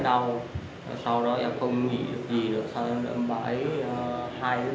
sau đó em không nghĩ được gì nữa sau đó em bãi hai ba nhát và ràng co để lấy tiền nhưng mà lấy không được